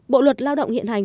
bộ luật lao động hiện hành